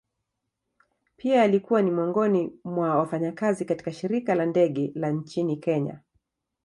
Pia alikuwa ni miongoni mwa wafanyakazi katika shirika la ndege la nchini kenya.